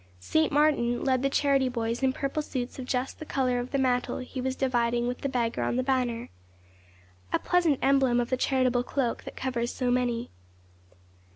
Saint Martin led the charity boys in purple suits of just the colour of the mantle he was dividing with the beggar on the banner. A pleasant emblem of the charitable cloak that covers so many.